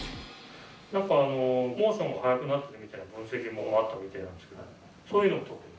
なんかあのモーションが速くなってるみたいな分析もあったみたいなんですけどそういうのは特に？